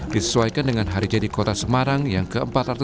disesuaikan dengan hari jadi kota semarang yang ke empat ratus lima puluh